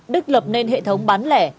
đức lập nên hệ thống bán lẻ